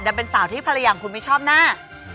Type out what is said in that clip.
เป็นสาวที่ภรรยาของคุณไม่ชอบหน้า